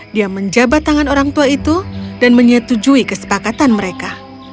dia menjabat tangan orang tua itu dan menyetujui kesepakatan mereka